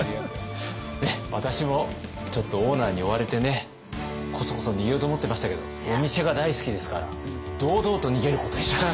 私もちょっとオーナーに追われてねこそこそ逃げようと思ってましたけどお店が大好きですから堂々と逃げることにします。